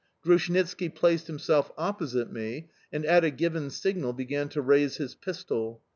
Grushnitski placed himself opposite me and, at a given signal, began to raise his pistol.